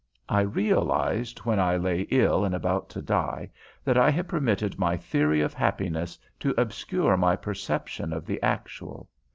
I realized when I lay ill and about to die that I had permitted my theory of happiness to obscure my perception of the actual.